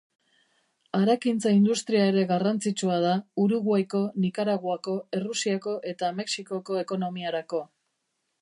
Harakintza-industria ere garrantzitsua da Uruguaiko, Nikaraguako, Errusiako eta Mexikoko ekonomiarako.